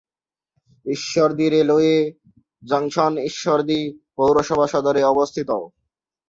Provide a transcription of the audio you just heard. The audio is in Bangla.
ঈশ্বরদী রেলওয়ে জংশন ঈশ্বরদী পৌরসভা সদরে অবস্থিত।